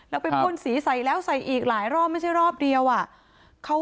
แล้วไปพ่นสีใส่แล้วใส่อีกหลายรอบไม่ใช่รอบเดียวอ่ะ